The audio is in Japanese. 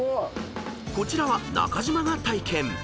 ［こちらは中島が体験］